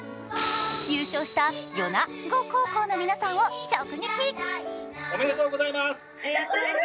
優勝した米子高校の皆さんを直撃。